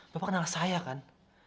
bapak kenal saya kan